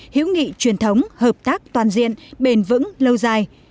hữu nghị truyền thống hợp tác toàn diện bền vững lâu dài